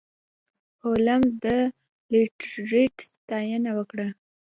هولمز د لیسټرډ ستاینه وکړه.